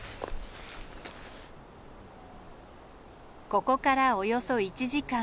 ここからおよそ１時間。